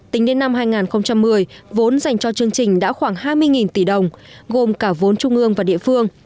tính đến năm hai nghìn một mươi vốn dành cho chương trình đã khoảng hai mươi tỷ đồng gồm cả vốn trung ương và địa phương